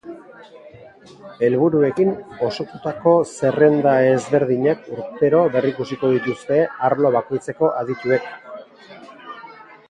Helburuekin osotutako zerrenda ezberdinak urtero berrikusiko dituzte arlo bakoitzeko adituek.